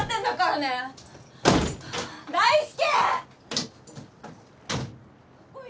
大介！